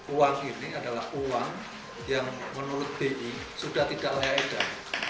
uang ini adalah uang yang menurut bi sudah tidak layak edar